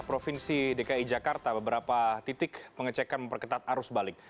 provinsi dki jakarta beberapa titik pengecekan memperketat arus balik